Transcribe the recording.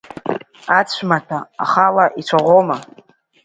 Ацәмаҭәа ахала ицәаӷәома?